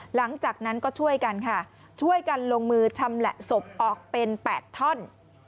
หลังจากนั้นก็ช่วยกันค่ะช่วยกันลงมือชำแหละศพออกเป็น๘ท่อน